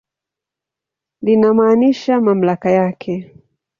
Linamaanisha mamlaka yake.